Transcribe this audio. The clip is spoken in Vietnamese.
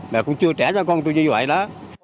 mà cũng chưa trẻ cho con tôi như vậy đó